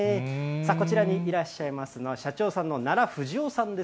さあ、こちらにいらっしゃいますのは、社長さんの奈良富士男さんです。